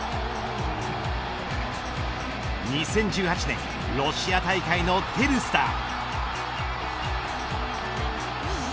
２０１８年ロシア大会のテルスター。